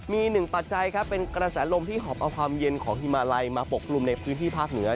มีหนึ่งปัจจัยครับเป็นกระแสลมที่หอบเอาความเย็นของฮิมาลัยมาปกกลุ่มในพื้นที่ภาคเหนือ